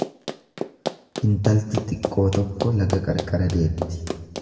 Intalti xiqqoo tokko laga qarqara deemti.